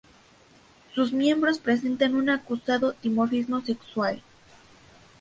Sus miembros presentan un acusado dimorfismo sexual.